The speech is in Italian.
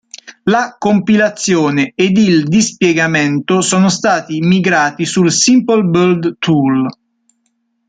La compilazione ed il dispiegamento sono stati migrati su Simple Build Tool.